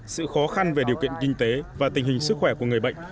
sự khó khăn về điều kiện kinh tế và tình hình sức khỏe của người bệnh